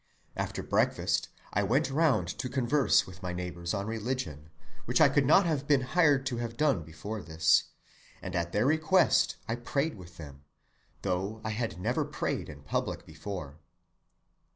After breakfast I went round to converse with my neighbors on religion, which I could not have been hired to have done before this, and at their request I prayed with them, though I had never prayed in public before.